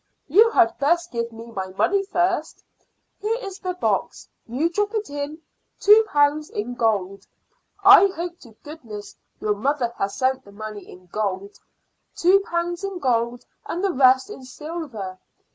"You had best give me my money first. Here is the box; you drop it in: two pounds in gold I hope to goodness your mother has sent the money in gold two pounds in gold and the rest in silver.